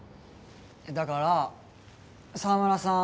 だから澤村さん